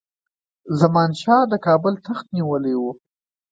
زمان شاه د کابل تخت نیولی وو.